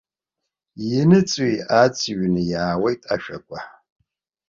Иныҵыҩ-ааҵыҩны иааҩуеит ашәақәа.